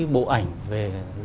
bộ ảnh về